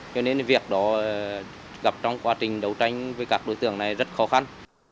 cho nên việc đó gặp trong quá trình đấu tranh với các đối tượng này rất khó khăn